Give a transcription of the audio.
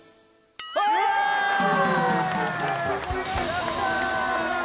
やったー